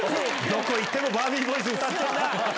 どこ行ってもバービーボーイズ歌ってんな。